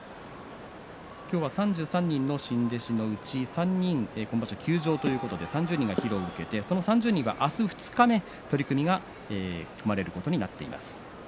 今日は３３人の新弟子のうち３人が今場所休場ということで３０人が披露を受けてその３０人は明日、二日目に取組が組まれることになっています。